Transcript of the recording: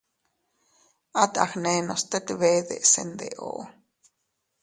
At agnenos tet bee deʼese ndeʼo.